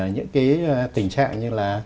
những cái tình trạng như là